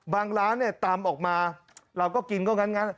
ร้านเนี่ยตำออกมาเราก็กินก็งั้น